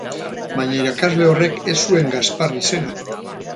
Baina irakasle horrek ez zuen Gaspar izena.